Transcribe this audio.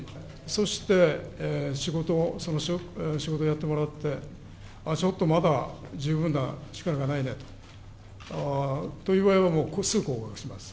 そして仕事を、その仕事をやってもらって、ちょっとまだ十分な力がないねという場合は、もうすぐ降格します。